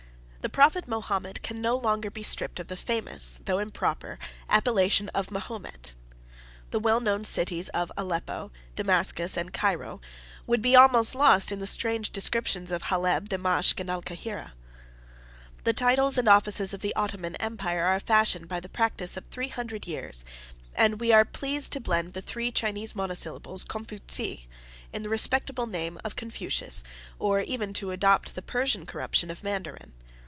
The prophet Mohammed can no longer be stripped of the famous, though improper, appellation of Mahomet: the well known cities of Aleppo, Damascus, and Cairo, would almost be lost in the strange descriptions of Haleb, Demashk, and Al Cahira: the titles and offices of the Ottoman empire are fashioned by the practice of three hundred years; and we are pleased to blend the three Chinese monosyllables, Con fû tzee, in the respectable name of Confucius, or even to adopt the Portuguese corruption of Mandarin.